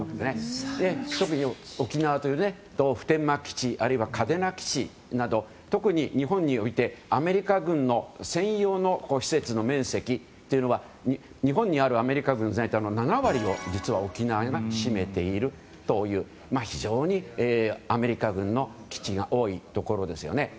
特に沖縄は普天間基地あるいは嘉手納基地など特に日本においてアメリカ軍の専用の施設の面積というのは日本にあるアメリカ軍最多の７割を実は沖縄が占めているという非常にアメリカ軍の基地が多いところですよね。